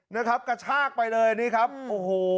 นะครับกระชากไปเลยนี้ครับ